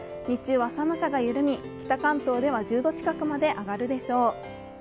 日中は寒さが緩み、北関東では１０度近くまで上がるでしょう。